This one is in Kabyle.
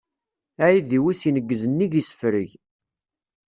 Aεidiw-is ineggez nnig isefreg.